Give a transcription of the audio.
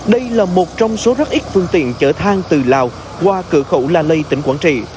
đây là một trong số rất ít phương tiện chở than từ lào qua cửa khẩu la lây tỉnh quảng trị